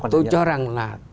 tôi cho rằng là